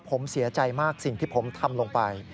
ผมเสียใจมากสิ่งที่ผมทำลงไป